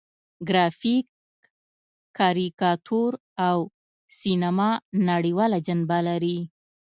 ګرافیک، کاریکاتور او سینما نړیواله جنبه لري.